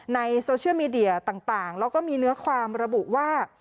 ในโซเชียลมีเดียต่างแล้วก็มีเนื้อความระบุว่า